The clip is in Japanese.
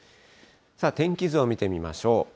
天気図を見てみましょう。